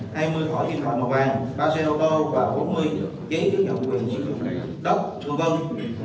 hai mươi khỏi kim loại màu vàng ba xe ô tô và bốn mươi giấy chứng nhận quyền sử dụng đất v v